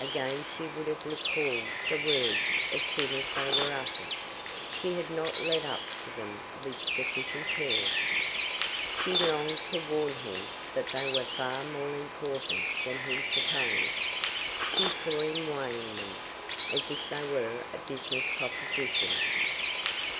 Again she would have recalled the words as soon as they were uttered. She had not led up to them with sufficient care. She longed to warn him that they were far more important than he supposed. She saw him weighing them, as if they were a business proposition.